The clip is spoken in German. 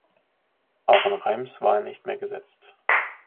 Auch in Reims war er nicht mehr gesetzt.